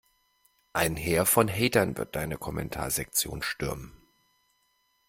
Ein Heer von Hatern wird deine Kommentarsektion stürmen.